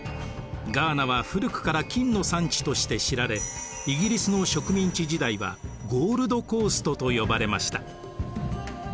ガーナは古くから金の産地として知られイギリスの植民地時代はゴールドコーストと呼ばれました。